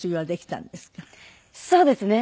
そうですね。